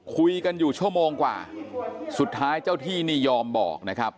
คุยกันอยู่ชั่วโมงกว่าสุดท้ายเจ้าที่นี่ยอมบอกนะครับ